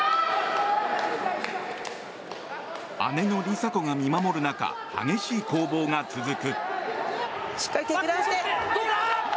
姉の梨紗子が見守る中激しい攻防が続く。